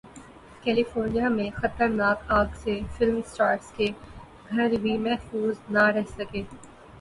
California میں خطرناک اگ سے فلم اسٹارز کے گھر بھی محفوظ نہ رہ سکے